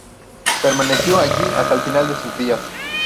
Permaneció allí hasta el final de sus días.